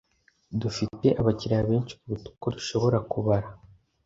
Dufite abakiriya benshi kuruta uko dushobora kubara.